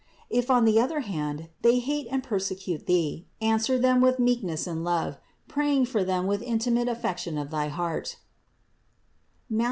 If on the other hand they hate and persecute thee, answer them with meekness and love, praying for them with intimate affection of thy heart (Matth.